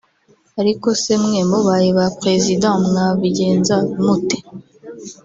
ariko se mwe mubaye ba president mwabigenza mute